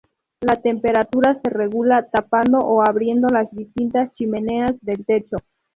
La temperatura se regula tapando o abriendo las distintas "chimeneas" del techo.